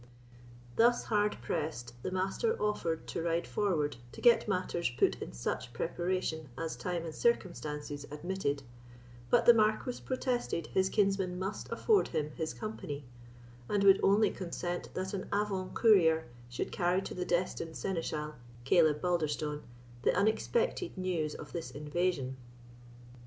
Thus hard pressed, the Master offered to ride forward to get matters put in such preparation as time and circumstances admitted; but the Marquis protested his kinsman must afford him his company, and would only consent that an avant courier should carry to the desinted Seneschal, Caleb Balderstone, the unexpected news of this invasion.